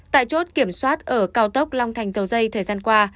tại chốt kiểm soát ở cao tốc long thành dầu dây thời gian qua